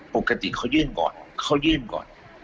ปกติเขายื่นก่อนเขายื่นก่อน